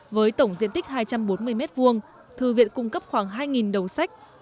với tổng diện tích hai trăm bốn mươi m hai thư viện cung cấp khoảng hai đầu sách